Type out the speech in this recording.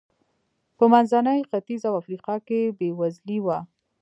په منځني ختیځ او افریقا کې بېوزلي و.